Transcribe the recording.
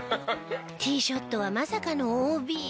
ティーショットはまさかのＯＢ。